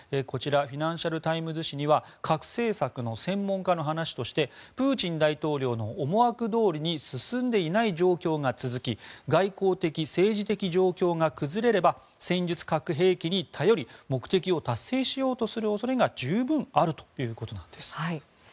こちらフィナンシャル・タイムズ紙には核政策の専門家の話としてプーチン大統領の思惑どおりに進んでいない状況が続き外交的・政治的状況が崩れれば戦術核兵器に頼り目的を達成しようとする可能性が十分あるということです。